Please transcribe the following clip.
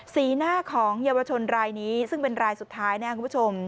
สีหน้าของเยาวชนรายนี้ซึ่งเป็นรายสุดท้ายนะครับคุณผู้ชม